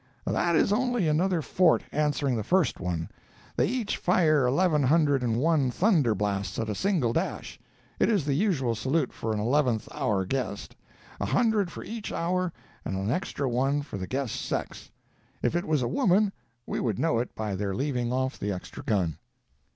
"That is only another fort answering the first one. They each fire eleven hundred and one thunder blasts at a single dash—it is the usual salute for an eleventh hour guest; a hundred for each hour and an extra one for the guest's sex; if it was a woman we would know it by their leaving off the extra gun."